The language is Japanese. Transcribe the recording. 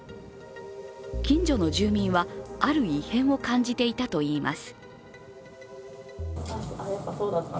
近所の住民は、ある異変を感じていたといいます。